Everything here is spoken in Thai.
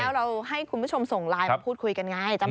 แล้วเราให้คุณผู้ชมส่งไลน์มาพูดคุยกันไง